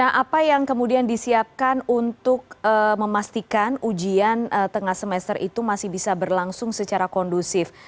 nah apa yang kemudian disiapkan untuk memastikan ujian tengah semester itu masih bisa berlangsung secara kondusif